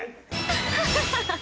ハハハハ！